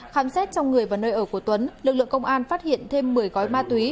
khám xét trong người và nơi ở của tuấn lực lượng công an phát hiện thêm một mươi gói ma túy